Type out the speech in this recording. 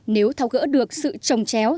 nếu tháo gỡ được sự trồng chéo